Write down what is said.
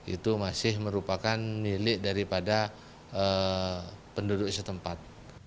itu masih merupakan milik daripada penduduk setempat